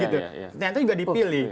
ternyata juga dipilih